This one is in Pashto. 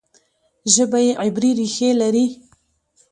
ژبه یې عبري ریښې لري.